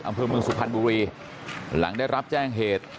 อำเภอเมืองสุพรรณบุรีหลังได้รับแจ้งเหตุ